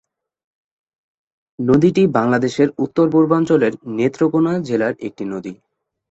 নদীটি বাংলাদেশের উত্তর-পূর্বাঞ্চলের নেত্রকোণা জেলার একটি নদী।